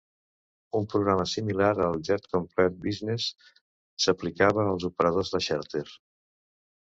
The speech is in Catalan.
Un programa similar al "Jet Complete Business" s'aplicava als operadors de xàrter.